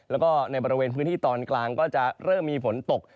แล้วก็ในบริเวณพื้นที่ตอนกลางก็จะเริ่มมีฝนตก